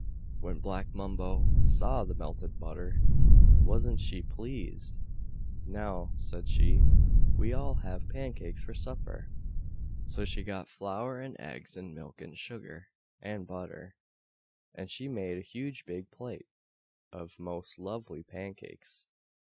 When Black Mumbo saw the melted butter, wasn't she pleased! "Now," said she, "we'll all have pancakes for supper!" So she got flour and eggs and milk and sugar and butter, and she made a huge big plate of most lovely pancakes.